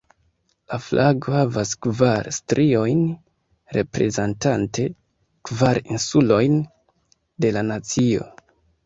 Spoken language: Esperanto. La flago havas kvar striojn, reprezentante kvar insulojn de la nacio.